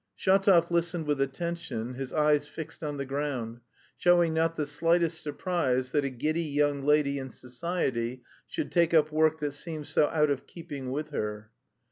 Shatov listened with attention, his eyes fixed on the ground, showing not the slightest surprise that a giddy young lady in society should take up work that seemed so out of keeping with her.